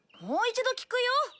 もう一度聞くよ。